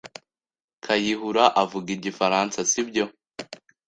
Kayihura avuga igifaransa, sibyo?